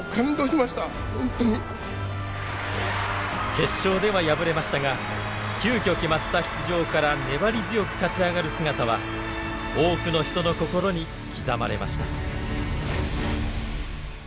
決勝では敗れましたが急きょ決まった出場から粘り強く勝ち上がる姿は多くの人の心に刻まれました。